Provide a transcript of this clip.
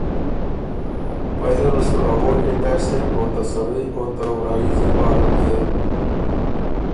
پئ زرل سُو ا وورکئ تر سېن او ته سړئ او ته وراييځئ پاره بيې